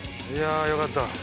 いやぁよかった。